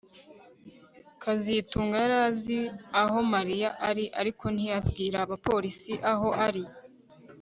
kazitunga yari azi aho Mariya ari ariko ntiyabwira abapolisi aho ari